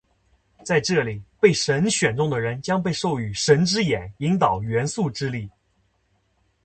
在这里，被神选中的人将被授予「神之眼」，引导元素之力。